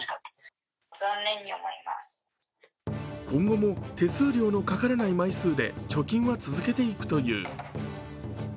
今後も手数料のかからない枚数で貯金は続けていくという。